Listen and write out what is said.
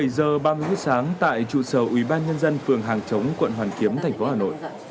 bảy giờ ba mươi phút sáng tại trụ sở ủy ban nhân dân phường hàng chống quận hoàn kiếm thành phố hà nội